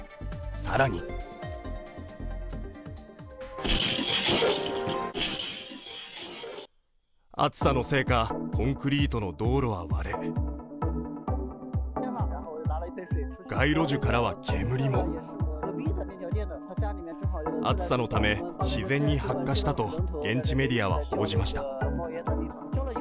更に暑さのせいか、コンクリートの道路は割れ街路樹からは煙も暑さのため、自然に発火したと現地メディアは報じました。